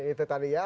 itu tadi ya